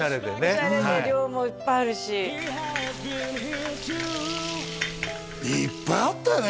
オシャレで量もいっぱいあるしいっぱいあったよね